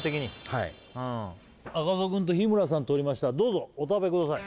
はい赤楚くんと日村さん取りましたどうぞお食べください